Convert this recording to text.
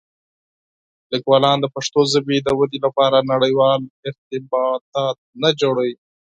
لیکوالان د پښتو ژبې د ودې لپاره نړيوال ارتباطات نه جوړوي.